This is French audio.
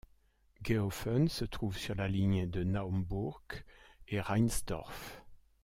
Gehofen se trouve sur la ligne de Naumbourg à Reinsdorf.